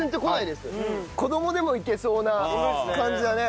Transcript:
子供でもいけそうな感じだね。